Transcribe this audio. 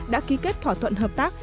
đã ký kết thỏa thuận hợp tác